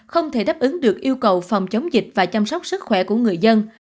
không thể đáp ứng được yêu cầu phòng chống dịch và chăm sóc sức khỏe của người dân